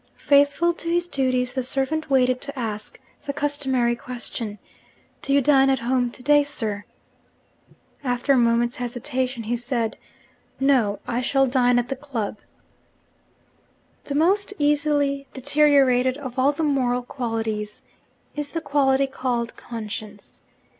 Faithful to his duties, the servant waited to ask the customary question, 'Do you dine at home to day, sir?' After a moment's hesitation he said, 'No: I shall dine at the club.' The most easily deteriorated of all the moral qualities is the quality called 'conscience.'